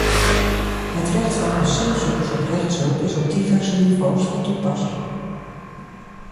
Het recht van asielzoekers op rechtshulp is op diverse niveaus van toepassing.